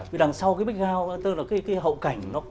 vì đằng sau cái bích gao tên là cái hậu cảnh